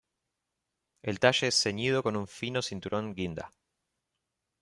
El talle es ceñido con un fino cinturón guinda.